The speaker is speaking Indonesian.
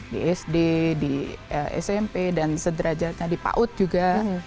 di sd di smp dan sederajatnya di paut juga